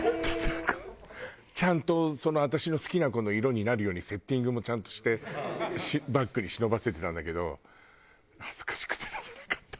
ちゃんと私の好きな子の色になるようにセッティングもちゃんとしてバッグに忍ばせてたんだけど恥ずかしくて出せなかった。